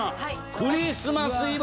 「クリスマス・イヴ」。